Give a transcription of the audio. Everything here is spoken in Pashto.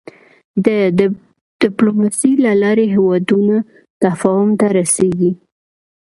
د د ډيپلوماسی له لارې هېوادونه تفاهم ته رسېږي.